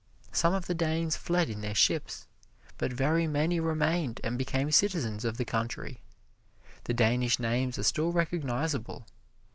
Some of the Danes fled in their ships, but very many remained and became citizens of the country. The Danish names are still recognizable.